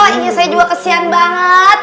ingin saya juga kesian banget